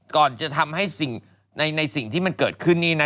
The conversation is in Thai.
ก่อนจะทำให้ในสิ่งที่มันเกิดขึ้นนี่นะ